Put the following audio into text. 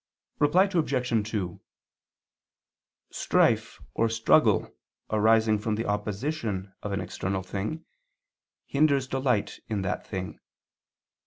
Reply Obj. 2: Strife or struggle arising from the opposition of an external thing, hinders delight in that thing.